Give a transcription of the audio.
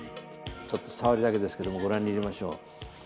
ちょっとさわりだけですけどもご覧に入れましょう。